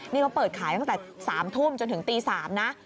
นี่เขาเปิดขายตั้งแต่๓ทุ่มจนถึงตี๓นะ